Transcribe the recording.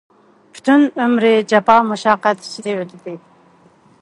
پۈتۈن ئۆمرى جاپا مۇشەققەت ئىچىدە ئۆتتى.